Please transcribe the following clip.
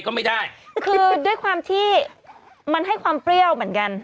ก็ไม่ได้คือด้วยความที่มันให้ความเปรี้ยวเหมือนกัน